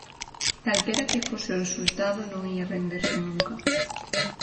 Calquera que fose o resultado, non ía renderse nunca.